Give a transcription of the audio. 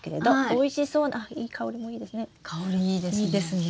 おいしそうなあ香りもいいですね。